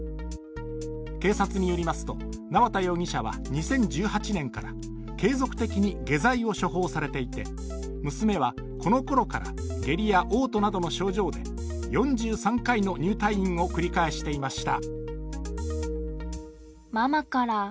警察によりますと縄田容疑者は２０１８年から、継続的に下剤を処方されていて娘はこのころから下痢やおう吐などの症状で４３回の入退院を繰り返していました。